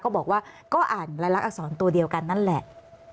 ก็บอกว่าก็อ่านรายลักษรตัวเดียวกันนั่นแหละ